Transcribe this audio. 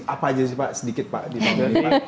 apa aja sih pak sedikit pak di bawah ini